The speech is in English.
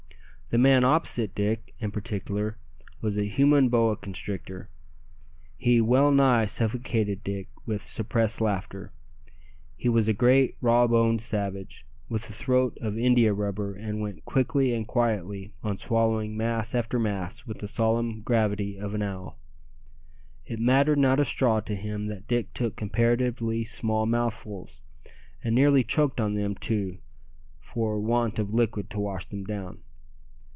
The man opposite Dick, in particular, was a human boa constrictor. He well nigh suffocated Dick with suppressed laughter. He was a great raw boned savage, with a throat of indiarubber, and went quickly and quietly on swallowing mass after mass with the solemn gravity of an owl. It mattered not a straw to him that Dick took comparatively small mouthfuls, and nearly choked on them too for want of liquid to wash them down.